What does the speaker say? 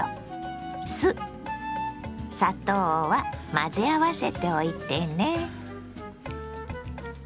混ぜ合わせておいてね。